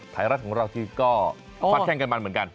ทรายรัฐที่ก็ฟาดแห้งกันมาเหมือนกัน